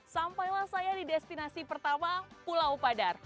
sampailah saya di destinasi pertama pulau padar